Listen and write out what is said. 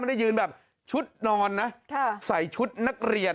ได้ยืนแบบชุดนอนนะใส่ชุดนักเรียน